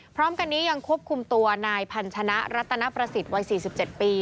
พร้อมกันนี้ยังควบคุมตัวนายพัญชนะรัตนประสิทธิ์วัย๔๗ปี